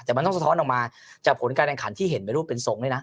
แต่มันต้องสะท้อนออกมาจากผลการแข่งขันที่เห็นเป็นรูปเป็นทรงด้วยนะ